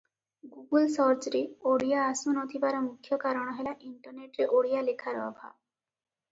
Google ସର୍ଚରେ ଓଡ଼ିଆ ଆସୁନଥିବାର ମୁଖ୍ୟ କାରଣ ହେଲା ଇଣ୍ଟରନେଟରେ ଓଡ଼ିଆ ଲେଖାର ଅଭାବ ।